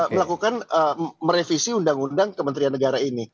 melakukan merevisi undang undang kementerian negara ini